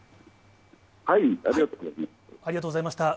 ありがとうございます。